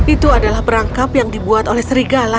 itu adalah perangkap yang dibuat oleh serigala